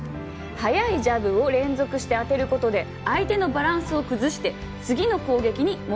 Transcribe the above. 「速いジャブを連続して当てることで相手のバランスを崩して次の攻撃に持っていける」